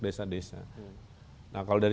desa desa nah kalau dari